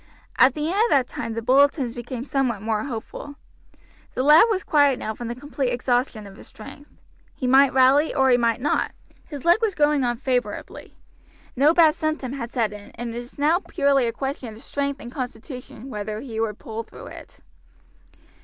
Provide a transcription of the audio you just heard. At the end of that time the bulletins became somewhat more hopeful. The lad was quiet now from the complete exhaustion of his strength. He might rally or he might not; his leg was going on favorably. No bad symptom had set in, and it was now purely a question of strength and constitution whether he would pull through it.